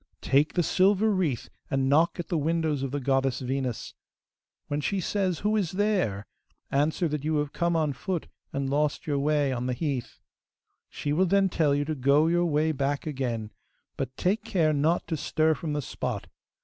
Take the silver wreath and knock at the windows of the goddess Venus. When she says, "Who is there?" answer that you have come on foot and lost your way on the heath. She will then tell you to go your way back again; but take care not to stir from the spot.